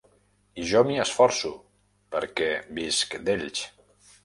I jo m'hi esforço, perquè visc d'ells.